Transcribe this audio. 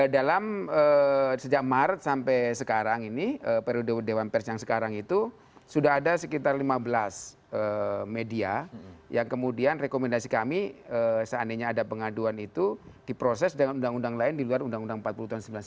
dalam sejak maret sampai sekarang ini periode dewan pers yang sekarang itu sudah ada sekitar lima belas media yang kemudian rekomendasi kami seandainya ada pengaduan itu diproses dengan undang undang lain di luar undang undang empat puluh tahun seribu sembilan ratus sembilan puluh sembilan